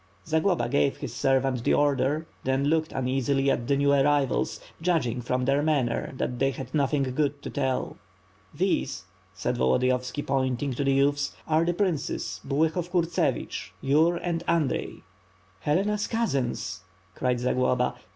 Zagloba gave his servant the order, then looked uneasily at the new arrivals; judging from their manner that they had nothing good to tell. WITH FIRE AND SWORD. 627 "These," said Volodiyovski, pointing to the youths, '*are the princes Bulyhov Kurtsevich, Yur and Andrey." "Helena's cousins," cried Zagloba.